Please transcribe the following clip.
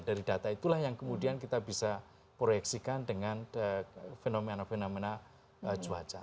dari data itulah yang kemudian kita bisa proyeksikan dengan fenomena fenomena cuaca